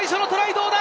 どうだ？